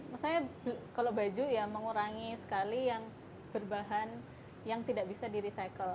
maksudnya kalau baju ya mengurangi sekali yang berbahan yang tidak bisa di recycle